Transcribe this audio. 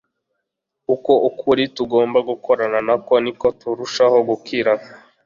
uko ukuri tugomba gukorana nako, niko turushaho gukira